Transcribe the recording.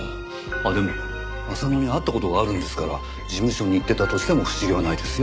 あっでも浅野に会った事があるんですから事務所に行ってたとしても不思議はないですよ。